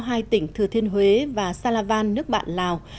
hai tỉnh thừa thiên huế và salavan nước bạn lào